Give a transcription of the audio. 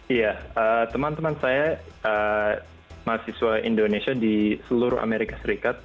iya teman teman saya mahasiswa indonesia di seluruh amerika serikat